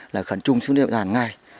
là khẩn trung xuống địa bàn ngay